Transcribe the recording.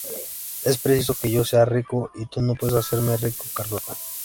Es preciso que yo sea rico, y tú no puedes hacerme rico, Carlota".